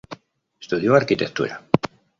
Estudió Arquitectura.